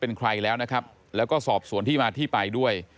เป็นใครแล้วนะครับแล้วก็สอบสวนที่มาที่ไปด้วย